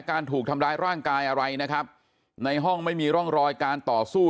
การถูกทำร้ายร่างกายอะไรนะครับในห้องไม่มีร่องรอยการต่อสู้